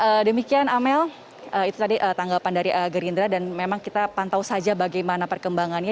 ya demikian amel itu tadi tanggapan dari gerindra dan memang kita pantau saja bagaimana perkembangannya